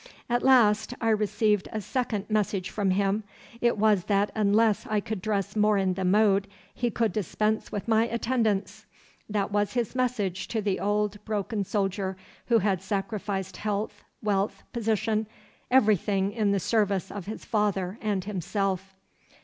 At last I received a second message from him. It was that unless I could dress more in the mode he could dispense with my attendance. That was his message to the old broken soldier who had sacrificed health, wealth, position, everything in the service of his father and himself.